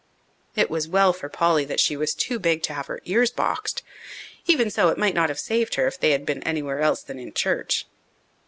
It was well for Polly that she was too big to have her ears boxed. Even so, it might not have saved her if they had been anywhere else than in church.